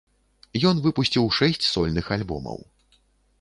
Ён выпусціў шэсць сольных альбомаў.